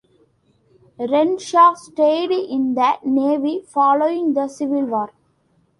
Renshaw stayed in the Navy following the Civil War.